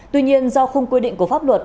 tuy nhiên do khung quy định của pháp luật